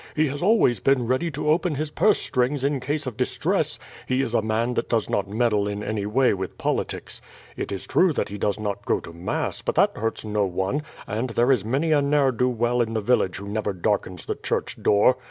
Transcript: He has always been ready to open his purse strings in case of distress; he is a man that does not meddle in any way with politics. It is true that he does not go to mass, but that hurts no one; and there is many a ne'er do well in the village who never darkens the church door.